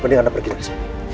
mending anda pergi dari sini